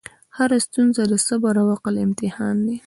هره ستونزه د صبر او عقل امتحان دی.